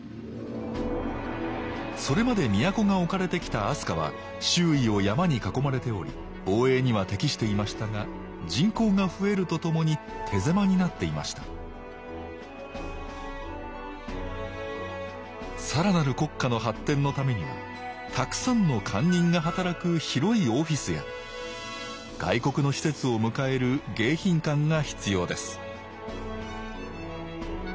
それまで都が置かれてきた飛鳥は周囲を山に囲まれており防衛には適していましたが人口が増えるとともに手狭になっていました更なる国家の発展のためにはたくさんの官人が働く広いオフィスや外国の使節を迎える迎賓館が必要です